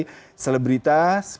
ada yang mengundang undang